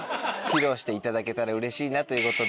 披露していただけたらうれしいなということで。